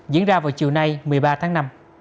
diễn ra vào chiều nay một mươi ba tháng năm